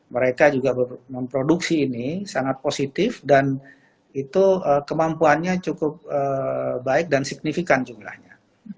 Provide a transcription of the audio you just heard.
mereka juga memproduksi ini sangat positif dan itu kemampuannya cukup baik dan signifikan jumlahnya